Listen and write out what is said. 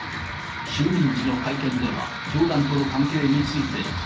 就任時の会見では教団との関係について。